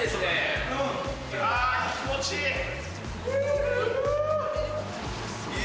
あー、気持ちいい。